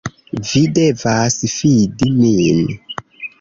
Vi devas fidi min.